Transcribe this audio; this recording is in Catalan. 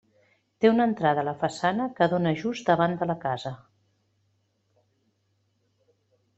Té una entrada a la façana que dóna just davant de la casa.